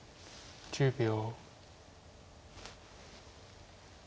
１０秒。